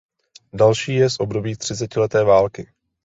Další je z období třicetileté války.